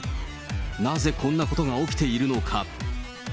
なぜこんなことが起きているのか。